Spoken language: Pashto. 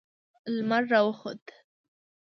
لمر را وخوت.